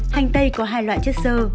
hành tây có hai loại chất sơ